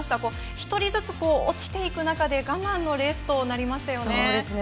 １人ずつ落ちていく中で我慢のレースとなりましたね。